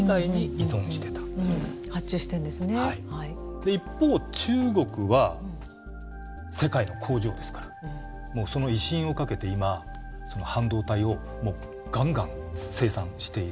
で一方中国は世界の工場ですからその威信をかけて今半導体をがんがん生産している。